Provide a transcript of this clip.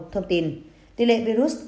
thông tin tỷ lệ virus